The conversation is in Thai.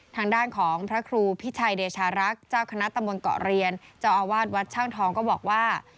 ทางด้านของพระครูพิชัยเดชารักษ์เจ้าคณะตำบลเกาะเรียนเจ้าอาวาสวัดช่างทองก็บอกว่า